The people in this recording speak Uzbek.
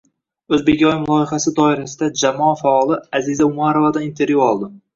O'zbegoyim loyihasi doirasida jamoa faoli Aziza Umarovadan intervyu oldi